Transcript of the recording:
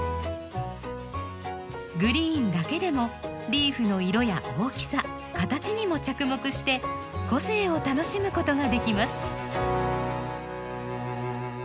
グリーンだけでもリーフの色や大きさ形にも着目して個性を楽しむことができます。